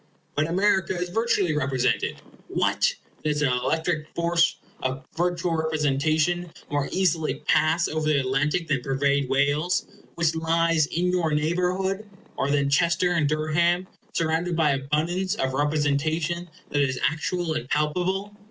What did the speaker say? But America is virtually represented. What! does the electric force of virtual representation more easily pass over the Atlantic than pervade Wales, which lies in your neighborhood or than Chester and Durham, surrounded by abundance of representation that is actual and palpable?